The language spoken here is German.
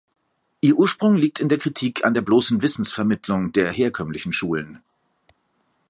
Ihr Ursprung liegt in der Kritik an der bloßen Wissensvermittlung der herkömmlichen Schulen.